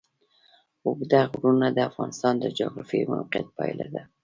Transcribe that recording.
اوږده غرونه د افغانستان د جغرافیایي موقیعت پایله ده.